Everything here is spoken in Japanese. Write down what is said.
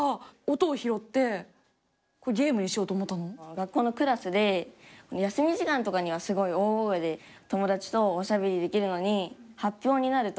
学校のクラスで休み時間とかにはすごい大声で友達とおしゃべりできるのに発表になると全然声が出ない。